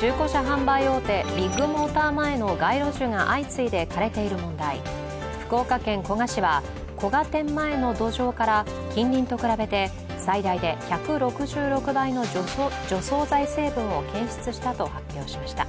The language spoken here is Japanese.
中古車販売大手ビッグモーター前の街路樹が相次いで枯れている問題、福岡県古賀市は古賀店前の土壌から近隣と比べて最大で１６６倍の除草剤成分を検出したと発表しました。